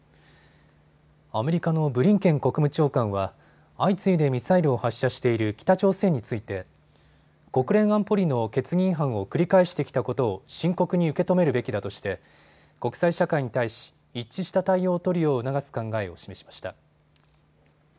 アメリカのブリンケン国務長官は相次いでミサイルを発射している北朝鮮について国連安保理の決議違反を繰り返してきたことを深刻に受け止めるべきだとして国際社会に対し、一致した対応を取るよう促す考えを示しました。